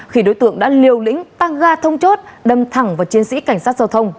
khi đối tượng đã liều lĩnh tăng ga thông chốt đâm thẳng vào chiến sĩ cảnh sát giao thông